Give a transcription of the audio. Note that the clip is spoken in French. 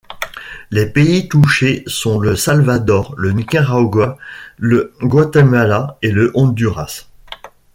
Les pays touchés sont le Salvador, le Nicaragua, le Guatemala et le Honduras.